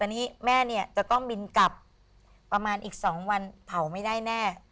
อันนี้แม่เนี่ยจะต้องบินกลับประมาณอีก๒วันเผาไม่ได้แน่